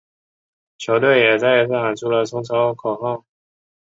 球队也再一次喊出了冲超口号。